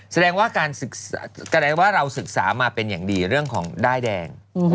แสดงว่าเราศึกษามาเป็นอย่างดีเรื่องของด้ายแดง